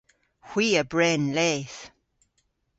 Hwi a bren leth.